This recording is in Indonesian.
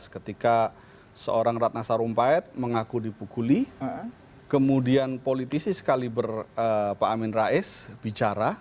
ketika seorang ratna sarumpahit mengaku dipukuli kemudian politisi sekali berpahamin raes bicara